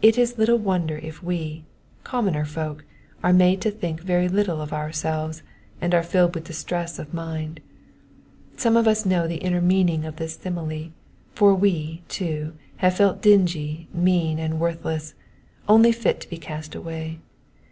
It is little wonder if we, commoner folk, are made to think very little of ourselves, and are filled with distress of mind. Some of us know the inner meaning of this simile, for we, too, have felt dingy, mean, and worthless, only fit to be cast away.